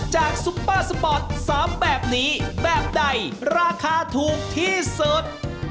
ซุปเปอร์สปอร์ต๓แบบนี้แบบใดราคาถูกที่สุด